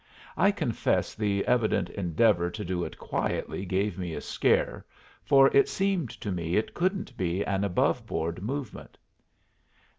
I confess the evident endeavor to do it quietly gave me a scare, for it seemed to me it couldn't be an above board movement.